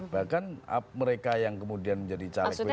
bahkan mereka yang kemudian menjadi calon pd perjuangan